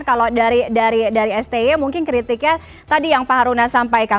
kalau dari sti mungkin kritiknya tadi yang pak haruna sampaikan